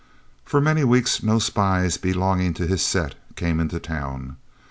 For many weeks no spies belonging to his set came into town.